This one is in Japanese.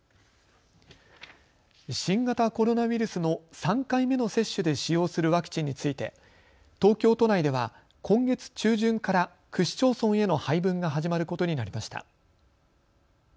新型コロナウイルスの３回目の接種で使用するワクチンについて東京都内では今月中旬から区市町村への配分が始まることになりました。